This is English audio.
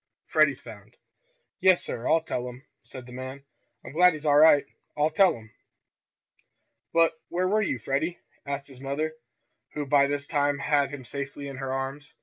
Freddie's found." "Yes, sir, I'll tell 'em," said the man. "I'm glad he's all right. I'll tell 'em!" "But where were you, Freddie?" asked his mother, who by this time had him safely in her arms.